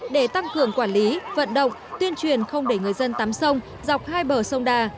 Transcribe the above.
để tăng cường quản lý vận động tuyên truyền không để người dân tắm sông dọc hai bờ sông đà